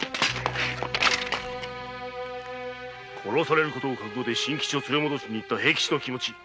殺される覚悟で真吉を連れ戻しに行った平吉の気持